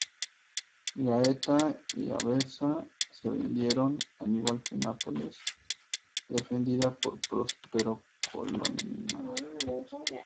Gaeta y Aversa se rindieron, al igual que Nápoles, defendida por Próspero Colonna.